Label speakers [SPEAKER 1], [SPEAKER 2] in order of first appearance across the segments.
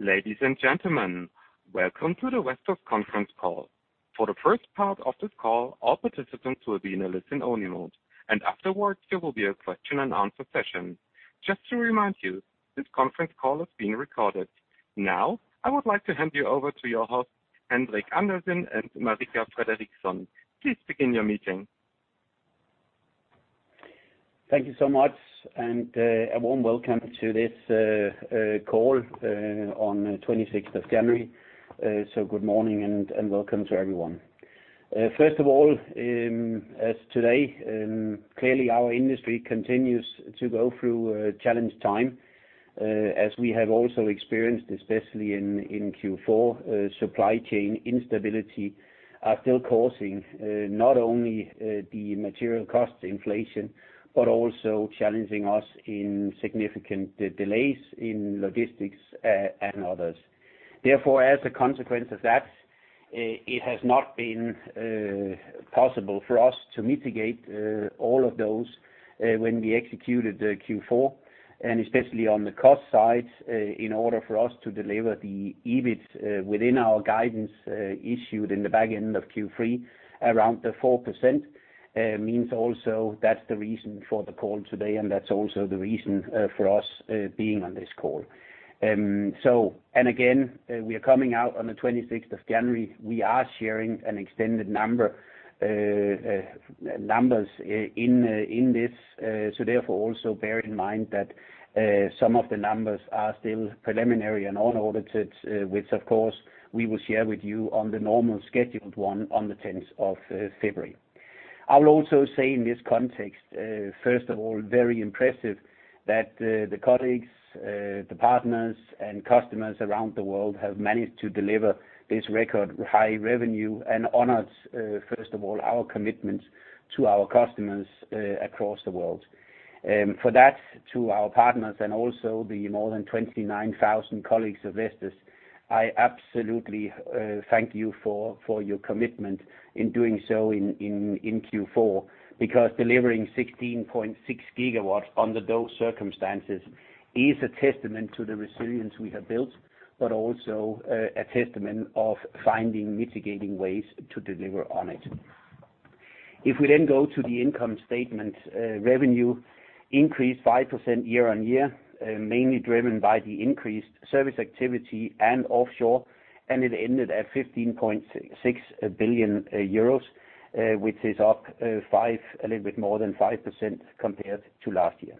[SPEAKER 1] Ladies and gentlemen, welcome to the Vestas Conference Call. For the first part of this call, all participants will be in a listen-only mode, and afterwards there will be a question-and-answer session. Just to remind you, this conference call is being recorded. Now I would like to hand you over to your hosts, Henrik Andersen and Marika Fredriksson. Please begin your meeting.
[SPEAKER 2] Thank you so much, and a warm welcome to this call on January 26th. So good morning and welcome to everyone. First of all, as today clearly our industry continues to go through a challenged time, as we have also experienced, especially in Q4. Supply chain instability are still causing not only the material costs inflation, but also challenging us in significant delays in logistics and others. Therefore, as a consequence of that, it has not been possible for us to mitigate all of those when we executed Q4, and especially on the cost side, in order for us to deliver the EBIT within our guidance issued in the back end of Q3 around the 4%, means also that's the reason for the call today, and that's also the reason for us being on this call. So and again, we are coming out on the January 26th. We are sharing extended numbers in this, so therefore also bear in mind that some of the numbers are still preliminary and unaudited, which, of course, we will share with you on the normal scheduled one on the February 10th. I will also say in this context, first of all, very impressive that the colleagues, the partners, and customers around the world have managed to deliver this record high revenue and, first of all, honored our commitments to our customers across the world. For that, to our partners and also the more than 29,000 colleagues of Vestas, I absolutely thank you for your commitment in doing so in Q4 because delivering 16.6 GW under those circumstances is a testament to the resilience we have built, but also a testament of finding mitigating ways to deliver on it. If we then go to the income statement, revenue increased 5% year-on-year, mainly driven by the increased service activity and offshore, and it ended at 15.6 billion euros, which is up 5% a little bit more than 5% compared to last year.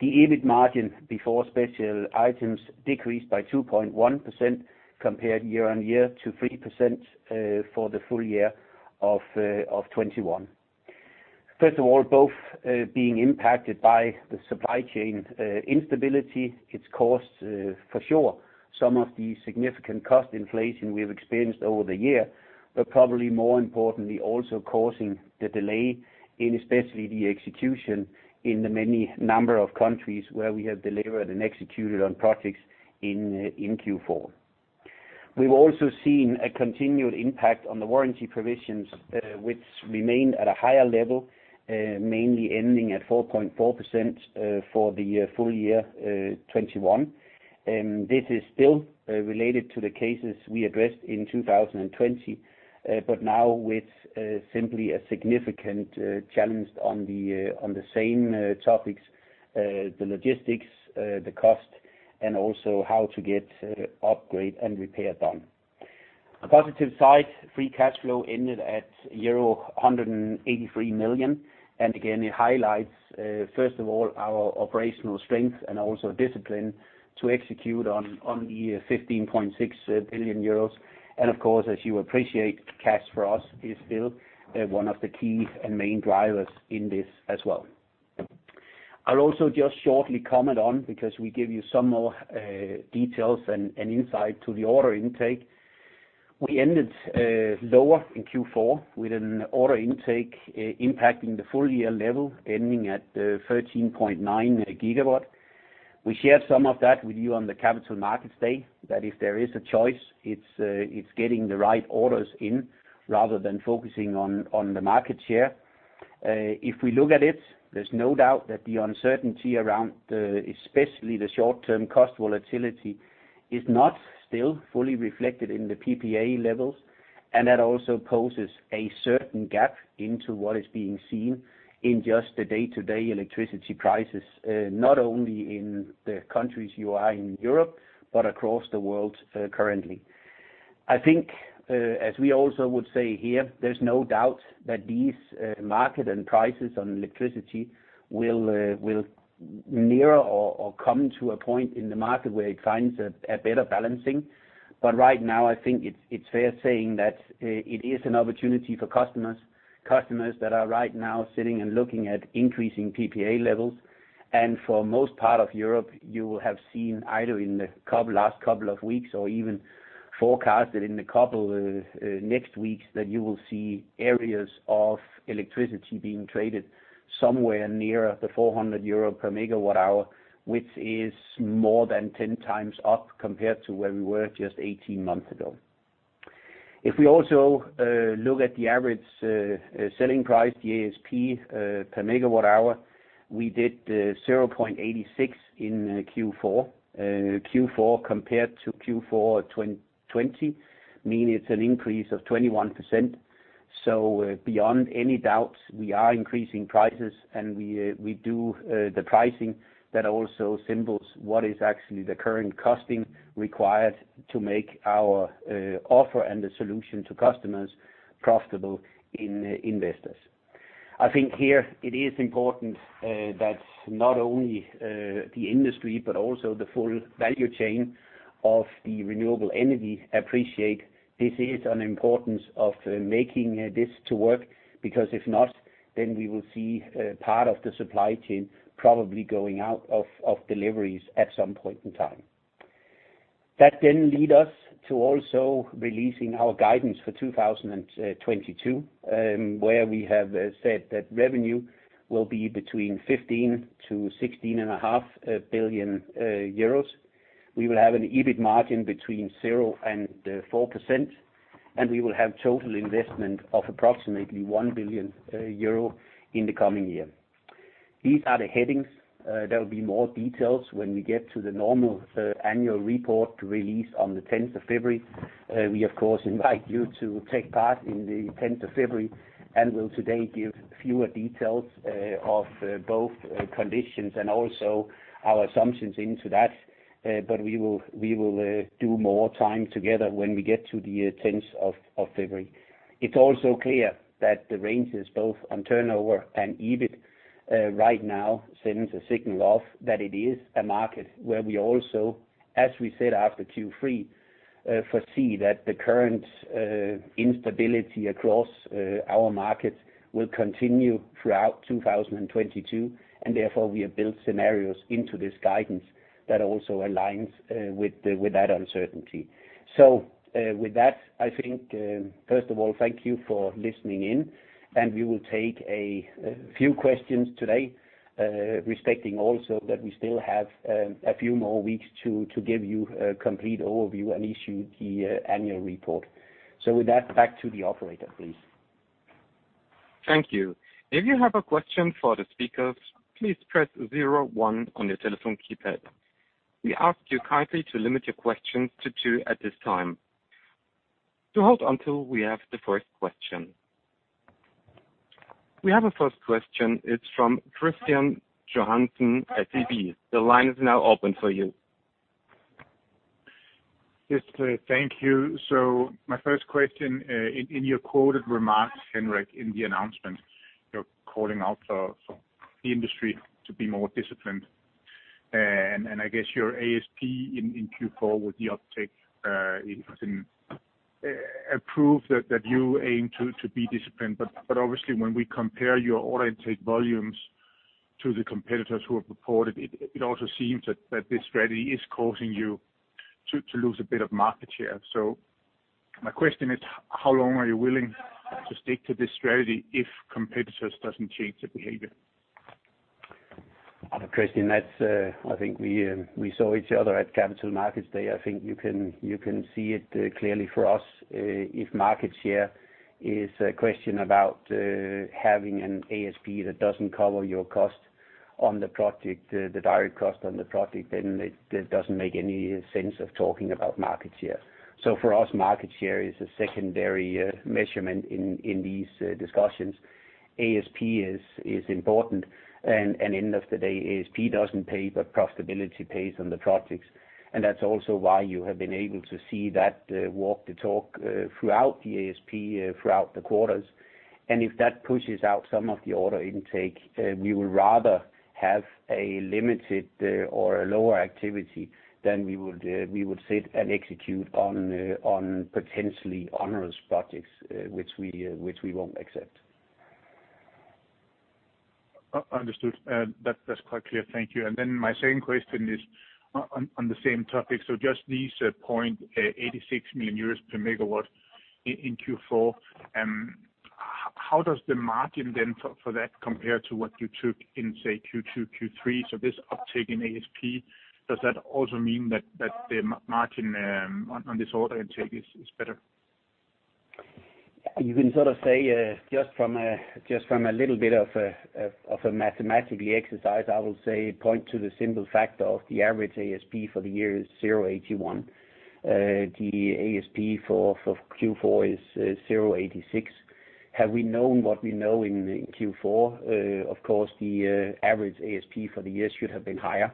[SPEAKER 2] The EBIT margin before special items decreased by 2.1% year-on-year to 3% for the full year of 2021. First of all, both being impacted by the supply chain instability, it's caused, for sure, some of the significant cost inflation we've experienced over the year, but probably more importantly also causing the delay in especially the execution in the many number of countries where we have delivered and executed on projects in Q4. We've also seen a continued impact on the warranty provisions, which remain at a higher level, mainly ending at 4.4% for the full year 2021. This is still related to the cases we addressed in 2020, but now with simply a significant challenge on the same topics, the logistics, the cost, and also how to get upgrade and repair done. Positive side, free cash flow ended at euro 183 million, and again, it highlights, first of all, our operational strength and also discipline to execute on the 15.6 billion. And of course, as you appreciate, cash for us is still one of the key and main drivers in this as well. I'll also just shortly comment on because we give you some more details and insight to the Order Intake. We ended lower in Q4 with an order intake impacting the full year level, ending at 13.9 GW. We shared some of that with you on the Capital Markets Day that if there is a choice, it's getting the right orders in rather than focusing on the market share. If we look at it, there's no doubt that the uncertainty around, especially the short-term cost volatility is not still fully reflected in the PPA levels, and that also poses a certain gap into what is being seen in just the day-to-day electricity prices, not only in the countries you are in Europe, but across the world, currently. I think, as we also would say here, there's no doubt that these market and prices on electricity will nearer or come to a point in the market where it finds a better balancing. But right now, I think it's fair saying that it is an opportunity for customers, customers that are right now sitting and looking at increasing PPA levels. For most part of Europe, you will have seen either in the last couple of weeks or even forecasted in the next couple of weeks that you will see areas of electricity being traded somewhere nearer the 400 euro per MWh, which is more than 10× up compared to where we were just 18 months ago. If we also look at the average selling price to ASP per MWh, we did 0.86 in Q4. Q4 compared to Q4 2020 means it's an increase of 21%. So, beyond any doubt, we are increasing prices, and we do the pricing that also symbolizes what is actually the current costing required to make our offer and the solution to customers profitable for investors. I think here it is important that not only the industry but also the full value chain of the renewable energy appreciate this is an importance of making this to work because if not, then we will see part of the supply chain probably going out of deliveries at some point in time. That then lead us to also releasing our guidance for 2022, where we have said that revenue will be between 15 billion euros and EUR 16.5 billion. We will have an EBIT margin between 0% and 4%, and we will have total investment of approximately 1 billion euro in the coming year. These are the headings. There'll be more details when we get to the normal annual report released on the February 10th. We, of course, invite you to take part in the February 10th and will today give fewer details of both conditions and also our assumptions into that, but we will do more time together when we get to the February 10th. It's also clear that the ranges both on turnover and EBIT right now send a signal of that it is a market where we also, as we said after Q3, foresee that the current instability across our markets will continue throughout 2022, and therefore we have built scenarios into this guidance that also align with that uncertainty. So, with that, I think, first of all, thank you for listening in, and we will take a few questions today, respecting also that we still have a few more weeks to give you a complete overview and issue the annual report. With that, back to the operator, please.
[SPEAKER 1] Thank you. If you have a question for the speakers, please press zero one on your telephone keypad. We ask you kindly to limit your questions to two at this time. So hold until we have the first question. We have a first question. It's from Kristian Johansen at SEB. The line is now open for you.
[SPEAKER 3] Yes, thank you. So my first question, in your quoted remarks, Henrik, in the announcement, you're calling out for the industry to be more disciplined. And I guess your ASP in Q4 with the uptake, it's approved that you aim to be disciplined. But obviously when we compare your order intake volumes to the competitors who have reported, it also seems that this strategy is causing you to lose a bit of market share. So my question is, how long are you willing to stick to this strategy if competitors doesn't change their behavior?
[SPEAKER 2] Kristian, that's, I think we saw each other at Capital Markets Day. I think you can see it clearly for us. If market share is a question about having an ASP that doesn't cover your cost on the project, the direct cost on the project, then it doesn't make any sense of talking about market share. So for us, market share is a secondary measurement in these discussions. ASP is important. And at the end of the day, ASP doesn't pay, but profitability pays on the projects. And that's also why you have been able to see that walk the talk throughout the ASP, throughout the quarters. If that pushes out some of the order intake, we will rather have a limited or lower activity than we would sit and execute on potentially onerous projects, which we won't accept.
[SPEAKER 3] Understood. That's quite clear. Thank you. And then my second question is on the same topic. So just this 0.86 million euros per MW in Q4, how does the margin then for that compare to what you took in, say, Q2, Q3? So this uptake in ASP, does that also mean that the margin on this order intake is better?
[SPEAKER 2] You can sort of say, just from a little bit of a mathematical exercise, I will say point to the simple factor of the average ASP for the year is 0.81. The ASP for Q4 is 0.86. Had we known what we know in Q4? Of course, the average ASP for the year should have been higher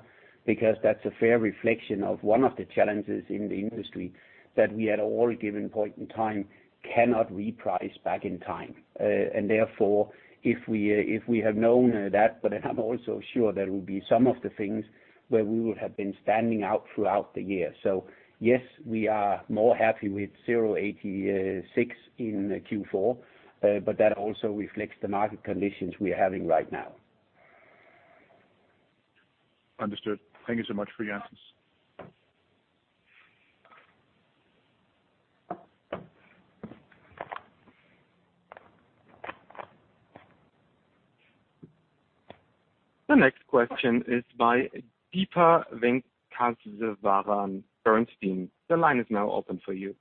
[SPEAKER 2] because that's a fair reflection of one of the challenges in the industry that we at any given point in time cannot reprice back in time. Therefore, if we have known that, but then I'm also sure there will be some of the things where we will have been standing out throughout the year. So yes, we are more happy with 0.86 in Q4, but that also reflects the market conditions we are having right now.
[SPEAKER 3] Understood. Thank you so much for your answers.
[SPEAKER 1] The next question is by Deepa Venkateswaran. Bernstein. The line is now open for you.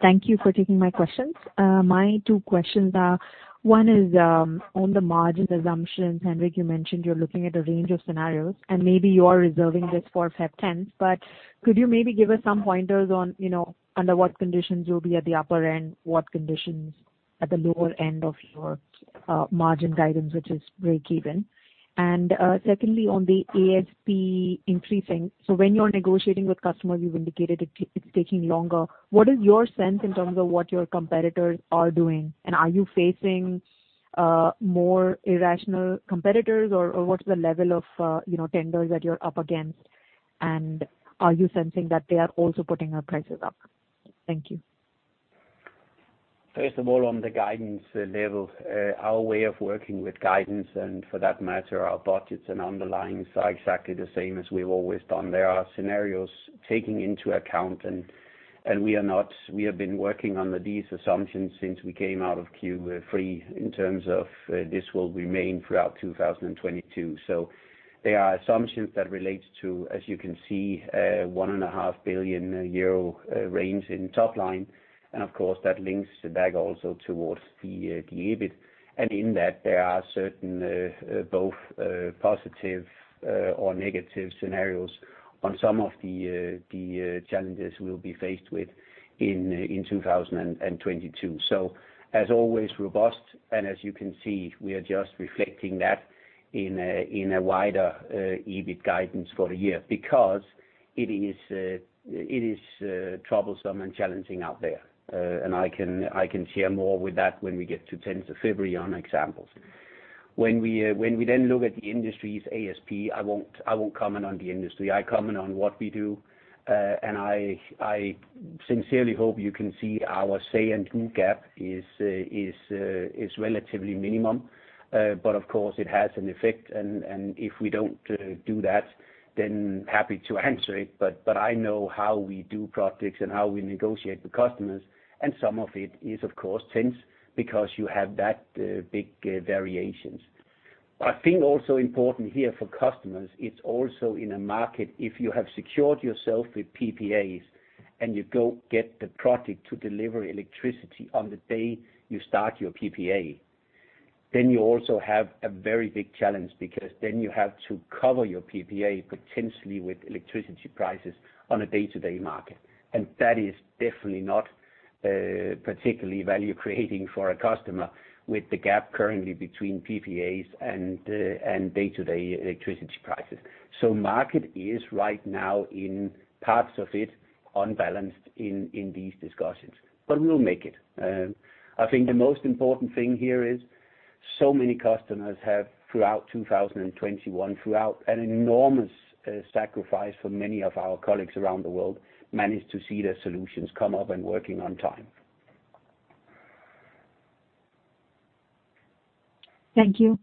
[SPEAKER 4] Thank you for taking my questions. My two questions are, one is, on the margin assumptions, Henrik, you mentioned you're looking at a range of scenarios, and maybe you are reserving this for February 10th, but could you maybe give us some pointers on, you know, under what conditions you'll be at the upper end, what conditions at the lower end of your, margin guidance, which is break-even. And, secondly, on the ASP increasing so when you're negotiating with customers, you've indicated it take it's taking longer. What is your sense in terms of what your competitors are doing? And are you facing, more irrational competitors, or, or what's the level of, you know, tenders that you're up against? And are you sensing that they are also putting their prices up? Thank you.
[SPEAKER 2] First of all, on the guidance level, our way of working with guidance and for that matter, our budgets and underlyings are exactly the same as we've always done. There are scenarios taken into account, and we have been working on these assumptions since we came out of Q3 in terms of this will remain throughout 2022. So there are assumptions that relates to, as you can see, 1.5 billion euro range in top line. And of course, that links the backlog also towards the EBIT. And in that, there are certain both positive or negative scenarios on some of the challenges we'll be faced with in 2022. So as always, robust. And as you can see, we are just reflecting that in a wider EBIT guidance for the year because it is troublesome and challenging out there. And I can share more with that when we get to February 10th on examples. When we then look at the industry's ASP, I won't comment on the industry. I comment on what we do, and I sincerely hope you can see our say-and-do gap is relatively minimum. But of course, it has an effect. And if we don't do that, then happy to answer it. But I know how we do projects and how we negotiate with customers. And some of it is, of course, tense because you have that big variations. I think also important here for customers, it's also in a market if you have secured yourself with PPAs and you go get the project to deliver electricity on the day you start your PPA, then you also have a very big challenge because then you have to cover your PPA potentially with electricity prices on a day-to-day market. And that is definitely not, particularly value-creating for a customer with the gap currently between PPAs and, and day-to-day electricity prices. So market is right now in parts of it unbalanced in, in these discussions, but we will make it. I think the most important thing here is so many customers have throughout 2021, throughout an enormous, sacrifice for many of our colleagues around the world, managed to see their solutions come up and working on time.
[SPEAKER 4] Thank you.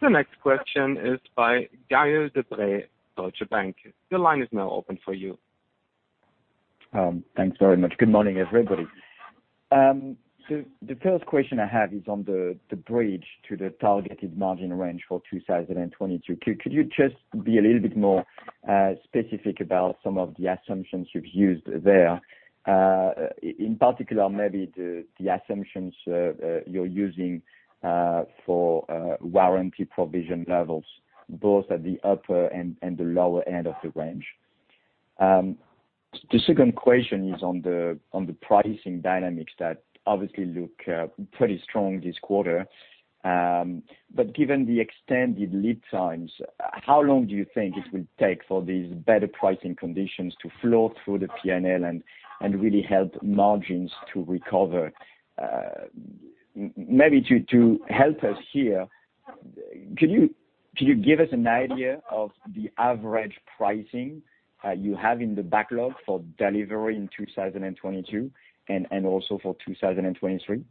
[SPEAKER 1] The next question is by Gaël de-Bray, Deutsche Bank. The line is now open for you.
[SPEAKER 5] Thanks very much. Good morning, everybody. So the first question I have is on the bridge to the targeted margin range for 2022. Could you just be a little bit more specific about some of the assumptions you've used there? In particular, maybe the assumptions you're using for warranty provision levels, both at the upper and the lower end of the range. The second question is on the pricing dynamics that obviously look pretty strong this quarter. But given the extended lead times, how long do you think it will take for these better pricing conditions to flow through the P&L and really help margins to recover? Maybe to help us here, could you give us an idea of the average pricing you have in the backlog for delivery in 2022 and also for 2023?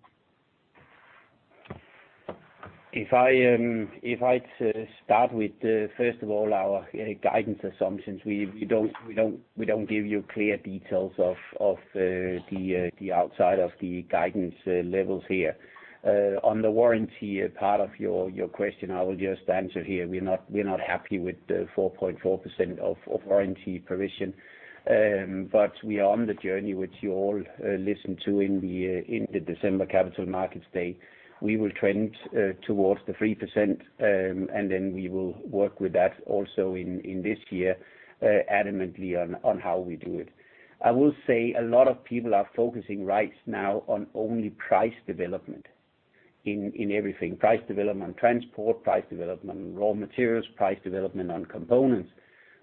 [SPEAKER 2] If I start with, first of all, our guidance assumptions, we don't give you clear details of the outside of the guidance levels here. On the warranty part of your question, I will just answer here. We're not happy with the 4.4% of warranty provision. But we are on the journey which you all listened to in the December Capital Markets Day. We will trend towards the 3%, and then we will work with that also in this year, adamantly on how we do it. I will say a lot of people are focusing right now on only price development in everything: price development on transport, price development on raw materials, price development on components.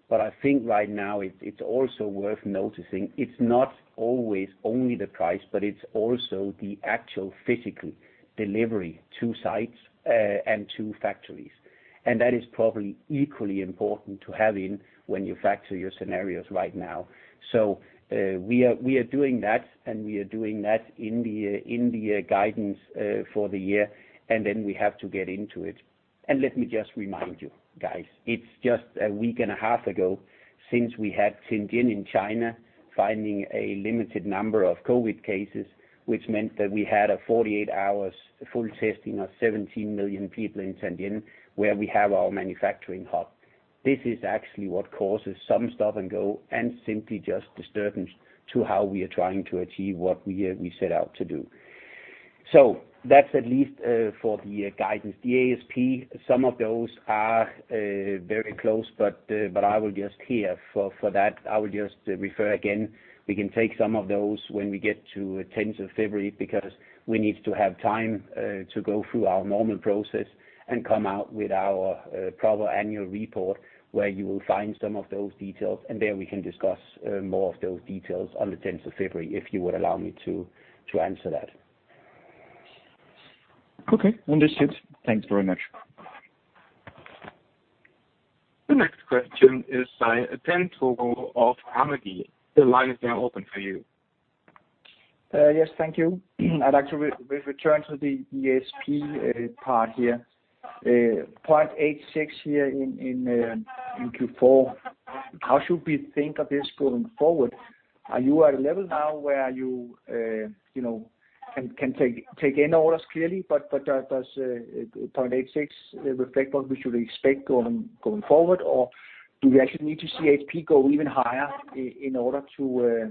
[SPEAKER 2] But I think right now it's also worth noticing it's not always only the price, but it's also the actual physical delivery to sites and to factories. And that is probably equally important to have in when you factor your scenarios right now. So, we are doing that, and we are doing that in the guidance for the year. And then we have to get into it. And let me just remind you, guys, it's just a week and a half ago since we had Tianjin in China finding a limited number of COVID cases, which meant that we had a 48-hour full testing of 17 million people in Tianjin where we have our manufacturing hub. This is actually what causes some stop-and-go and simply just disturbance to how we are trying to achieve what we set out to do. So that's at least for the guidance. The ASP, some of those are very close, but I will just refer again for that. We can take some of those when we get to February 10th because we need to have time to go through our normal process and come out with our proper annual report where you will find some of those details. And there we can discuss more of those details on the February 10th if you would allow me to answer that.
[SPEAKER 5] Okay. Understood. Thanks very much.
[SPEAKER 1] The next question is by Dan Togo of Carnegie. The line is now open for you.
[SPEAKER 6] Yes. Thank you. I'd like to return to the ASP part here. 0.86 here in Q4, how should we think of this going forward? Are you at a level now where you know can take in orders clearly, but does 0.86 reflect what we should expect going forward, or do we actually need to see ASP go even higher in order to,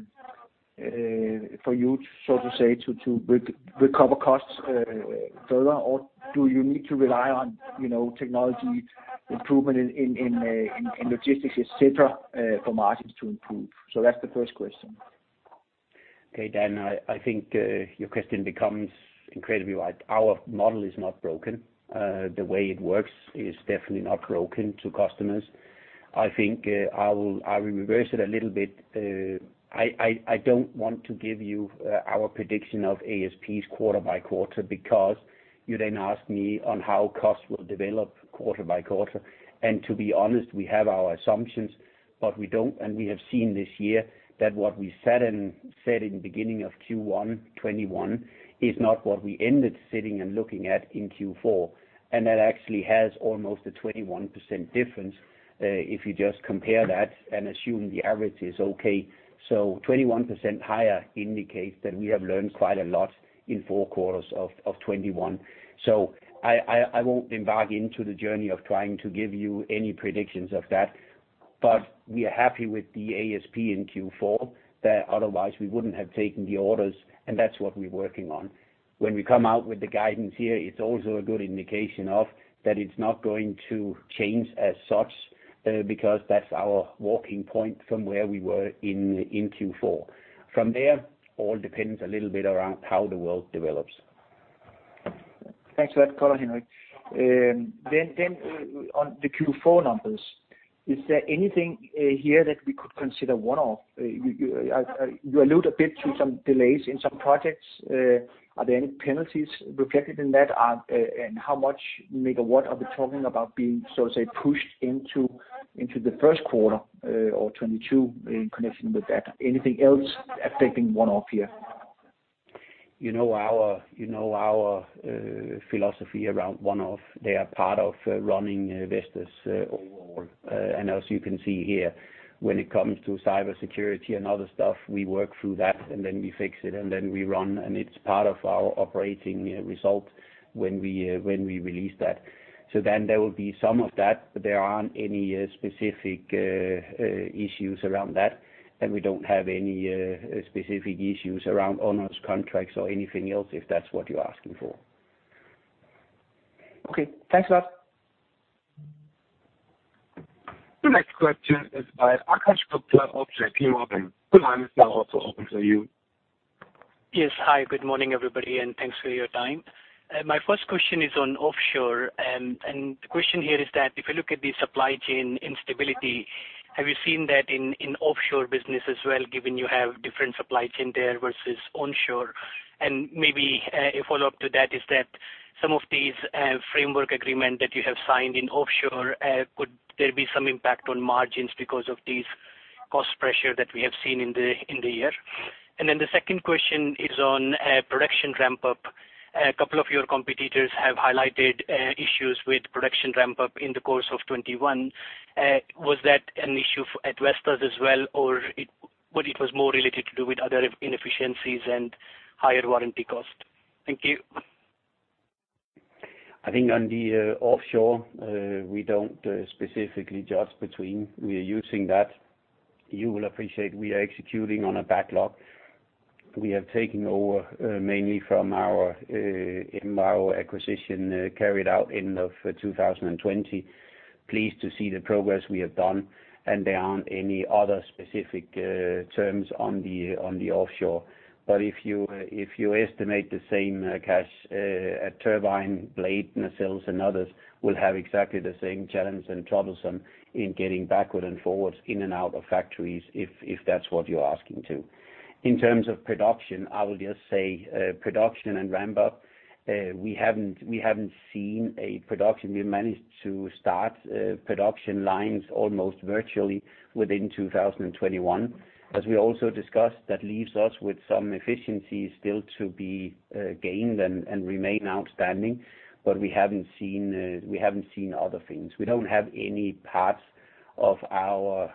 [SPEAKER 6] for you to so to say to recover costs further, or do you need to rely on, you know, technology improvement in logistics, etc., for margins to improve? So that's the first question.
[SPEAKER 2] Okay. Dan, I think your question becomes incredibly right. Our model is not broken. The way it works is definitely not broken to customers. I think I will reverse it a little bit. I don't want to give you our prediction of ASPs quarter by quarter because you then ask me on how costs will develop quarter by quarter. And to be honest, we have our assumptions, but we don't and we have seen this year that what we set and said in the beginning of Q1 2021 is not what we ended sitting and looking at in Q4. And that actually has almost a 21% difference, if you just compare that and assume the average is okay. So 21% higher indicates that we have learned quite a lot in four quarters of 2021. So I won't embark into the journey of trying to give you any predictions of that, but we are happy with the ASP in Q4 that otherwise, we wouldn't have taken the orders, and that's what we're working on. When we come out with the guidance here, it's also a good indication of that it's not going to change as such, because that's our walking point from where we were in Q4. From there, all depends a little bit around how the world develops.
[SPEAKER 6] Thanks for that color, Henrik. Then, on the Q4 numbers, is there anything here that we could consider one-off? You allude a bit to some delays in some projects. Are there any penalties reflected in that? And how much MW are we talking about being, so to say, pushed into the first quarter or 2022 in connection with that? Anything else affecting one-off here?
[SPEAKER 2] You know, our philosophy around one-off. They are part of running Vestas overall. And as you can see here, when it comes to cybersecurity and other stuff, we work through that, and then we fix it, and then we run, and it's part of our operating result when we release that. So then there will be some of that, but there aren't any specific issues around that. And we don't have any specific issues around onerous contracts or anything else if that's what you're asking for.
[SPEAKER 6] Okay. Thanks a lot.
[SPEAKER 1] The next question is by Akash Gupta of JPMorgan. The line is now also open for you.
[SPEAKER 7] Yes. Hi. Good morning, everybody, and thanks for your time. My first question is on offshore. The question here is that if you look at the supply chain instability, have you seen that in offshore business as well given you have different supply chain there versus onshore? Maybe a follow-up to that is that some of these framework agreements that you have signed in offshore, could there be some impact on margins because of these cost pressure that we have seen in the year? Then the second question is on production ramp-up. A couple of your competitors have highlighted issues with production ramp-up in the course of 2021. Was that an issue at Vestas as well, or was it more related to do with other inefficiencies and higher warranty cost? Thank you.
[SPEAKER 2] I think on the offshore, we don't specifically judge between. We are using that. You will appreciate we are executing on a backlog. We have taken over, mainly from our MHI acquisition, carried out end of 2020. Pleased to see the progress we have done. And there aren't any other specific terms on the offshore. But if you estimate the same cash at turbine, blade, nacelles, and others, we'll have exactly the same challenge and troublesome in getting backward and forwards in and out of factories if that's what you're asking. In terms of production, I will just say, production and ramp-up, we haven't seen a production. We've managed to start production lines almost virtually within 2021. As we also discussed, that leaves us with some efficiencies still to be gained and remain outstanding, but we haven't seen other things. We don't have any parts of our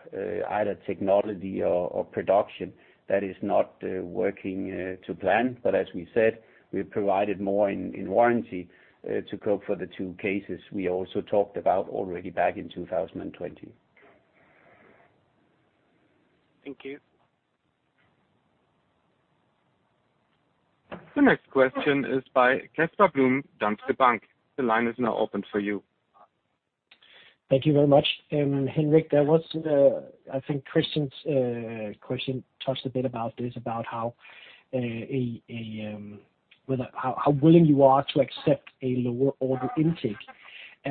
[SPEAKER 2] either technology or production that is not working to plan. But as we said, we've provided more in warranty to cope for the two cases we also talked about already back in 2020.
[SPEAKER 7] Thank you.
[SPEAKER 1] The next question is by Casper Blom, Danske Bank. The line is now open for you.
[SPEAKER 8] Thank you very much. Henrik, there was, I think Kristian's question touched a bit about this, about how willing you are to accept a lower order intake. I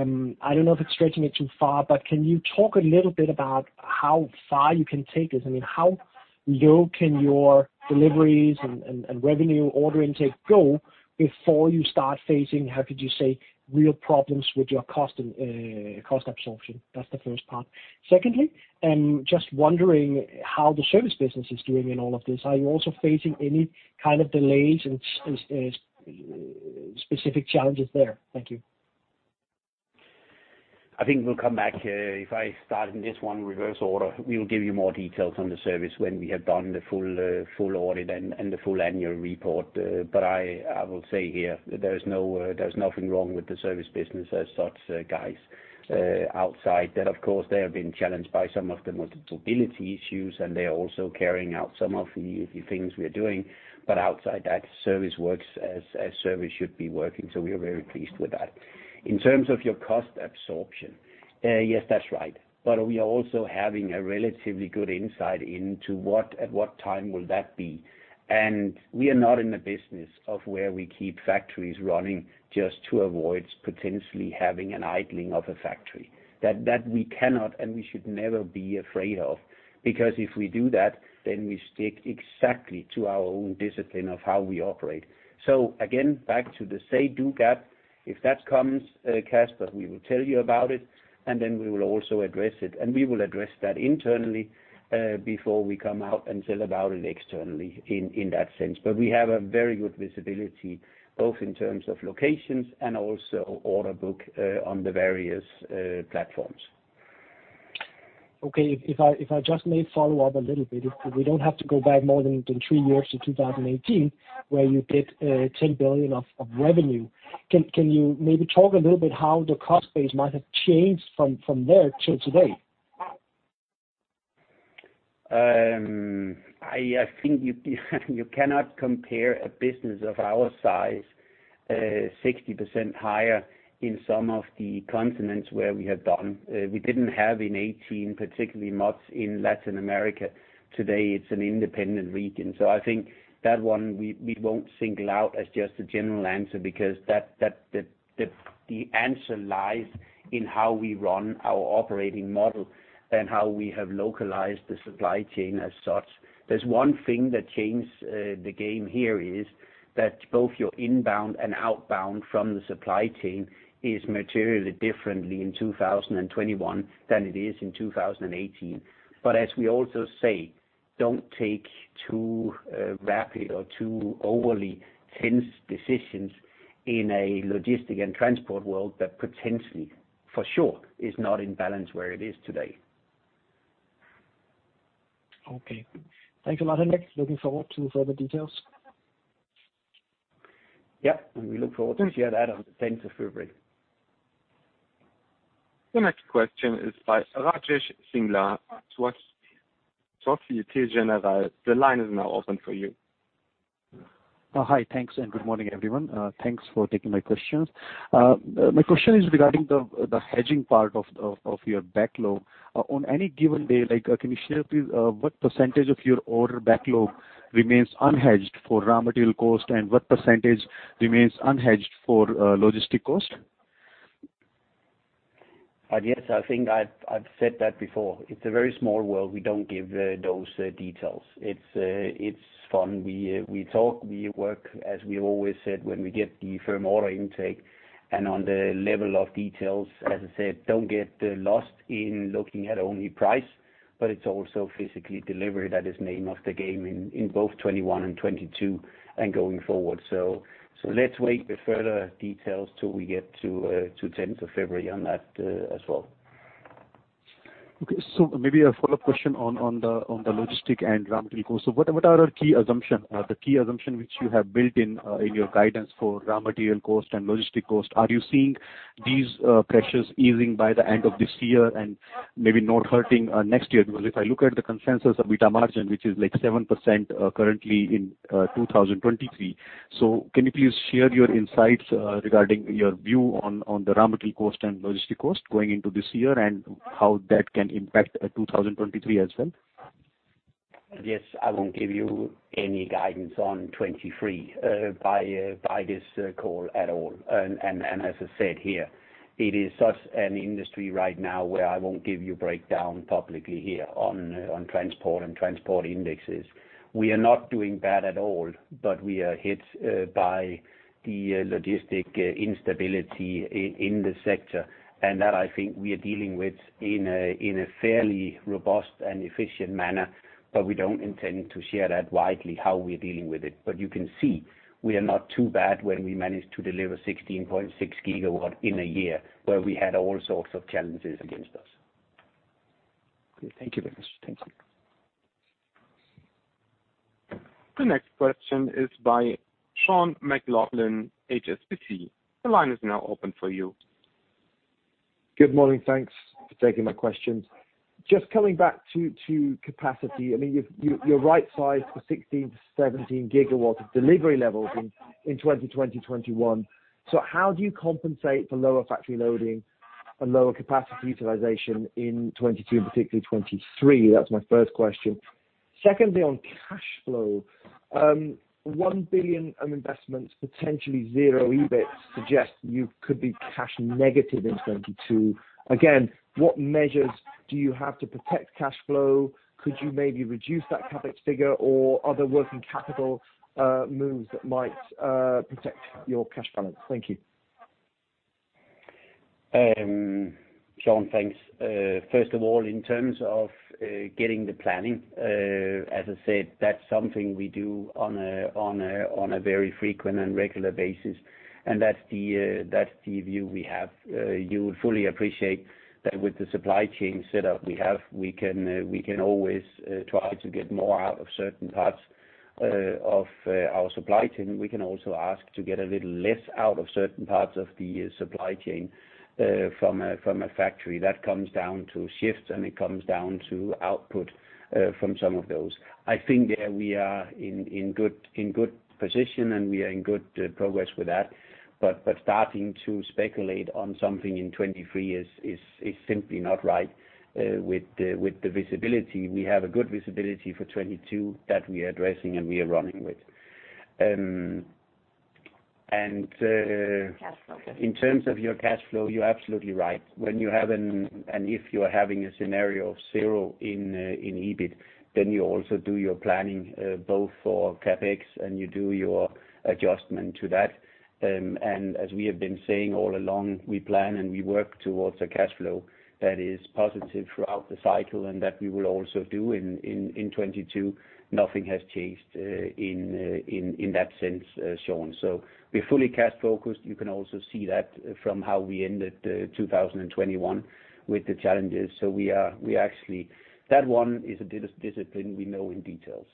[SPEAKER 8] don't know if it's stretching it too far, but can you talk a little bit about how far you can take this? I mean, how low can your deliveries and revenue order intake go before you start facing real problems with your cost and cost absorption? That's the first part. Secondly, just wondering how the service business is doing in all of this. Are you also facing any kind of delays and specific challenges there? Thank you.
[SPEAKER 2] I think we'll come back here. If I start in this one reverse order, we will give you more details on the service when we have done the full audit and the full annual report. But I will say here that there's nothing wrong with the service business as such, guys, outside that, of course, they have been challenged by some of the ability issues, and they're also carrying out some of the things we're doing. But outside that, service works as service should be working, so we are very pleased with that. In terms of your cost absorption, yes, that's right. But we are also having a relatively good insight into what time will that be. And we are not in the business of where we keep factories running just to avoid potentially having an idling of a factory. That we cannot and we should never be afraid of because if we do that, then we stick exactly to our own discipline of how we operate. So again, back to the say-do gap, if that comes, Casper, we will tell you about it, and then we will also address it. And we will address that internally, before we come out and tell about it externally in that sense. But we have a very good visibility both in terms of locations and also order book, on the various platforms.
[SPEAKER 8] Okay. If I just may follow up a little bit, if we don't have to go back more than three years to 2018 where you did 10 billion of revenue, can you maybe talk a little bit how the cost base might have changed from there till today?
[SPEAKER 2] I think you cannot compare a business of our size, 60% higher in some of the continents where we have done. We didn't have in 2018 particularly much in Latin America. Today, it's an independent region. So I think that one we won't single out as just a general answer because that the answer lies in how we run our operating model and how we have localized the supply chain as such. There's one thing that changed, the game here is that both your inbound and outbound from the supply chain is materially differently in 2021 than it is in 2018. But as we also say, don't take too rapid or too overly tense decisions in a logistic and transport world that potentially, for sure, is not in balance where it is today.
[SPEAKER 8] Okay. Thanks a lot, Henrik. Looking forward to further details.
[SPEAKER 2] Yep. We look forward to hear that on the February 10th.
[SPEAKER 1] The next question is by Rajesh Singla of Société Générale. The line is now open for you.
[SPEAKER 9] Oh, hi. Thanks, and good morning, everyone. Thanks for taking my questions. My question is regarding the hedging part of your backlog. On any given day, like, can you share please what percentage of your order backlog remains unhedged for raw material cost, and what percentage remains unhedged for logistic cost?
[SPEAKER 2] Yes. I think I've said that before. It's a very small world. We don't give those details. It's fun. We talk. We work as we always said when we get the firm order intake. And on the level of details, as I said, don't get lost in looking at only price, but it's also physical delivery. That is the name of the game in both 2021 and 2022 and going forward. So let's wait with further details till we get to February 10th on that, as well.
[SPEAKER 9] Okay. So maybe a follow-up question on the logistics and raw material cost. So what are the key assumptions which you have built in, in your guidance for raw material cost and logistics cost, are you seeing these pressures easing by the end of this year and maybe not hurting next year? Because if I look at the consensus EBIT margin, which is like 7%, currently in 2023, so can you please share your insights regarding your view on the raw material cost and logistics cost going into this year and how that can impact 2023 as well?
[SPEAKER 2] Yes. I won't give you any guidance on 2023 by this call at all. And as I said here, it is such an industry right now where I won't give you breakdown publicly here on transport and transport indexes. We are not doing bad at all, but we are hit by the logistic instability in the sector. And that I think we are dealing with in a fairly robust and efficient manner, but we don't intend to share that widely how we are dealing with it. But you can see we are not too bad when we managed to deliver 16.6 GW in a year where we had all sorts of challenges against us.
[SPEAKER 9] Okay. Thank you very much. Thank you.
[SPEAKER 1] The next question is by Sean McLoughlin, HSBC. The line is now open for you.
[SPEAKER 10] Good morning. Thanks for taking my questions. Just coming back to capacity, I mean, you are right-sized to 16-17 GW of delivery levels in 2020-21. So how do you compensate for lower factory loading and lower capacity utilization in 2022 and particularly 2023? That's my first question. Secondly, on cash flow, 1 billion of investments, potentially zero EBIT suggests you could be cash negative in 2022. Again, what measures do you have to protect cash flow? Could you maybe reduce that CapEx figure or other working capital moves that might protect your cash balance? Thank you.
[SPEAKER 2] Sean, thanks. First of all, in terms of getting the planning, as I said, that's something we do on a very frequent and regular basis. That's the view we have. You would fully appreciate that with the supply chain setup we have, we can always try to get more out of certain parts of our supply chain. We can also ask to get a little less out of certain parts of the supply chain from a factory. That comes down to shifts, and it comes down to output from some of those. I think there we are in good position, and we are in good progress with that. But starting to speculate on something in 2023 is simply not right with the visibility. We have a good visibility for 2022 that we are addressing and we are running with.
[SPEAKER 11] Cash flow.
[SPEAKER 2] In terms of your cash flow, you're absolutely right. When you have an and if you're having a scenario of zero in, in EBIT, then you also do your planning, both for CapEx, and you do your adjustment to that. And as we have been saying all along, we plan and we work towards a cash flow that is positive throughout the cycle and that we will also do in, in, in 2022. Nothing has changed, in, in, in that sense, Sean. So we're fully cash-focused. You can also see that from how we ended 2021 with the challenges. So we are we actually that one is a discipline. We know in details.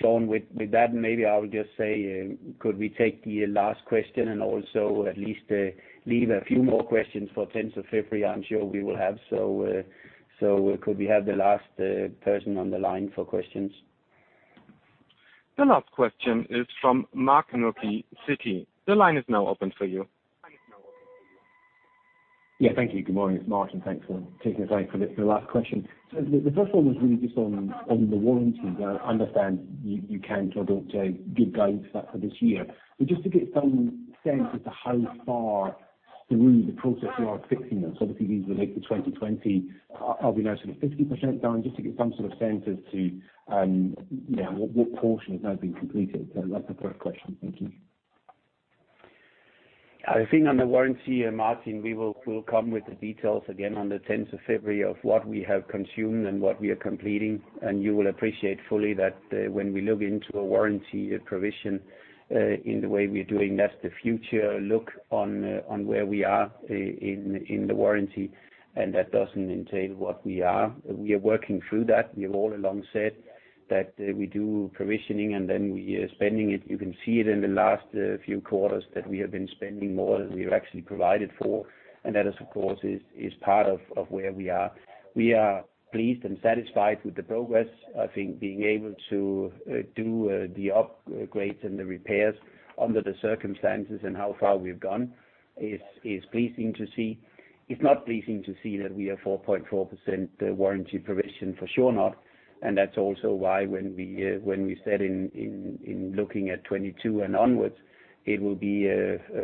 [SPEAKER 2] Sean, with that, maybe I will just say, could we take the last question and also at least leave a few more questions for February 10th? I'm sure we will have. So, could we have the last person on the line for questions?
[SPEAKER 1] The last question is from Martin Wilkie, Citi. The line is now open for you.
[SPEAKER 12] Yeah. Thank you. Good morning. It's Martin. Thanks for taking the time for the last question. So the first one was really just on the warranty. I understand you can sort of give guidance for that for this year. But just to get some sense as to how far through the process you are fixing this. Obviously, these relate to 2020. I'll be now sort of 50% done. Just to get some sort of sense as to what portion has now been completed. So that's the first question. Thank you.
[SPEAKER 2] I think on the warranty, Martin, we will come with the details again on the February 10th of what we have consumed and what we are completing. You will appreciate fully that, when we look into a warranty provision in the way we are doing, that's the future look on where we are in the warranty. That doesn't entail what we are. We are working through that. We have all along said that we do provisioning, and then we are spending it. You can see it in the last few quarters that we have been spending more than we were actually provided for. That, of course, is part of where we are. We are pleased and satisfied with the progress. I think being able to do the upgrades and the repairs under the circumstances and how far we've gone is pleasing to see. It's not pleasing to see that we are 4.4% warranty provision. For sure, not. And that's also why when we set in looking at 2022 and onwards, it will be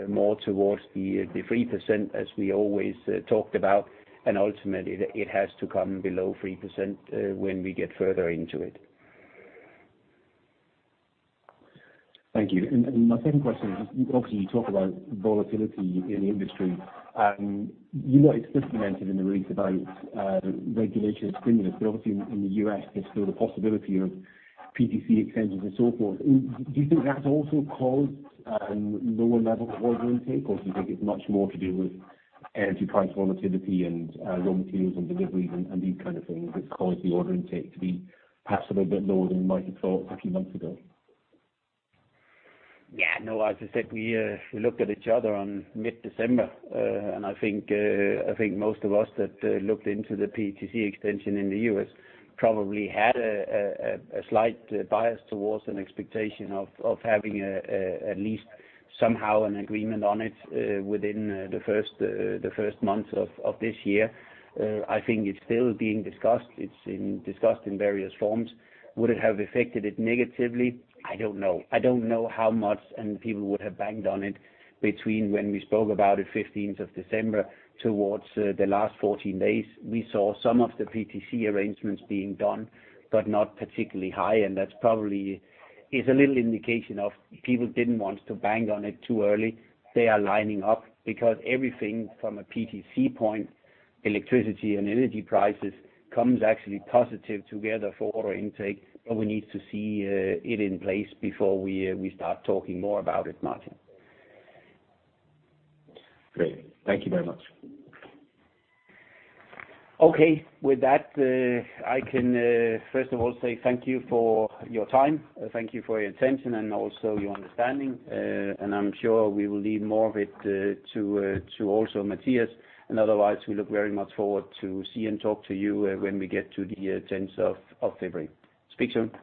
[SPEAKER 2] more towards the 3% as we always talked about. And ultimately, it has to come below 3% when we get further into it.
[SPEAKER 12] Thank you. And my second question is, obviously, you talk about volatility in the industry. You know, it's just been mentioned in the release about regulatory stimulus, but obviously, in the U.S., there's still the possibility of PTC extensions and so forth. Do you think that's also caused lower level of order intake, or do you think it's much more to do with energy price volatility and raw materials and deliveries and these kind of things that's caused the order intake to be perhaps a little bit lower than you might have thought a few months ago?
[SPEAKER 2] Yeah. No, as I said, we looked at each other on mid-December, and I think most of us that looked into the PTC extension in the U.S. probably had a slight bias towards an expectation of having a at least somehow an agreement on it, within the first months of this year. I think it's still being discussed. It's been discussed in various forms. Would it have affected it negatively? I don't know. I don't know how much and people would have banged on it between when we spoke about it December 15th towards the last 14 days. We saw some of the PTC arrangements being done but not particularly high. And that's probably is a little indication of people didn't want to bang on it too early. They are lining up because everything from a PTC point, electricity and energy prices, comes actually positive together for order intake. But we need to see it in place before we start talking more about it, Martin.
[SPEAKER 12] Great. Thank you very much.
[SPEAKER 2] Okay. With that, I can first of all say thank you for your time. Thank you for your attention and also your understanding. And I'm sure we will leave more of it to also Mathias. And otherwise, we look very much forward to see and talk to you when we get to the February 10th. Speak soon.